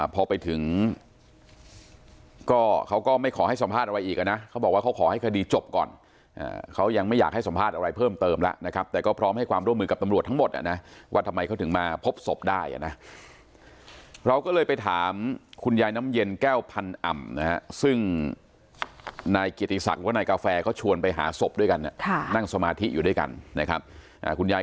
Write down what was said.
พอไปถึงก็เขาก็ไม่ขอให้สัมภาษณ์อะไรอีกอ่ะนะเขาบอกว่าเขาขอให้คดีจบก่อนเขายังไม่อยากให้สัมภาษณ์อะไรเพิ่มเติมแล้วนะครับแต่ก็พร้อมให้ความร่วมมือกับตำรวจทั้งหมดนะว่าทำไมเขาถึงมาพบศพได้อ่ะนะเราก็เลยไปถามคุณยายน้ำเย็นแก้วพันอ่ำนะฮะซึ่งนายเกียรติศักดิ์หรือว่านายกาแฟเขาชวนไปหาศพด้วยกันนั่งสมาธิอยู่ด้วยกันนะครับคุณยาย